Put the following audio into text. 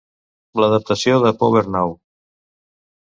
L'adaptació de PowerNow!